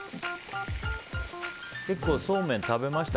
結構そうめん食べました？